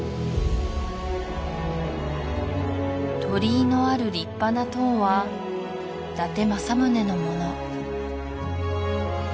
鳥居のある立派な塔は伊達政宗のもの